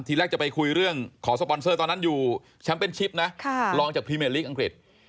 ทีแรกจะไปคุยเรื่องขอสปอนเซอร์ตอนนั้นอยู่นะค่ะลองจากอังกฤษ